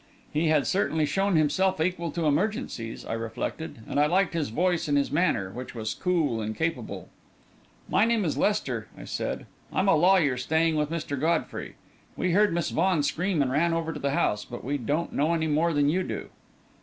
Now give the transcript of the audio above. He had certainly shown himself equal to emergencies, I reflected; and I liked his voice and his manner, which was cool and capable. "My name is Lester," I said. "I'm a lawyer staying with Mr. Godfrey. We heard Miss Vaughan scream and ran over to the house, but we don't know any more than you do."